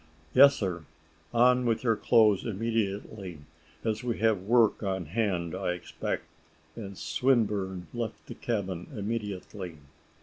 "Yes, sir. On with your clothes immediately, as we have work on hand, I expect;" and Swinburne left the cabin immediately.